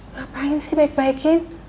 ngapain sih baik baikin